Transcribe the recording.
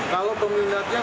kalau peminatnya memang